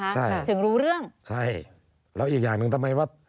ใช่แล้วอีกอย่างนึงทำไมว่า